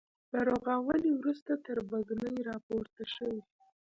له رغاونې وروسته تربګنۍ راپورته شوې.